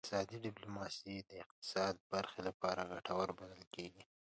اقتصادي ډیپلوماسي د اقتصاد برخې لپاره ګټوره بلل کیږي